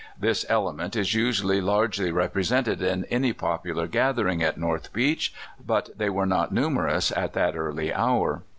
This element is usually largely represented in any popular gathering at North Beach, but they were not numerous at that early hour.